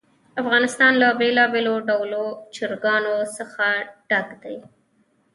افغانستان له بېلابېلو ډولو چرګانو څخه ډک دی.